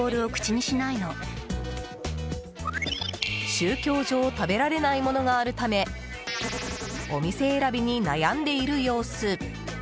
宗教上食べられないものがあるためお店選びに悩んでいる様子。